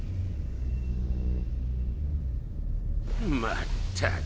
まったく。